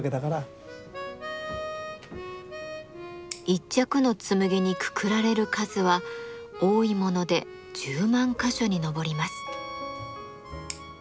一着の紬にくくられる数は多いもので１０万か所に上ります。